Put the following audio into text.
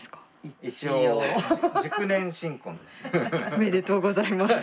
おめでとうございます。